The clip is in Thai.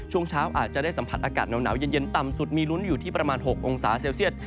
ช่วงเช้าอาจจะได้สัมผัสอากาศหนาวเย็นต่ำสุดมีลุ้นอยู่ที่ประมาณ๖องศาเซลเซียต